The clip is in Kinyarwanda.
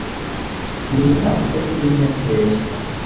Ni intango itagira inteteri,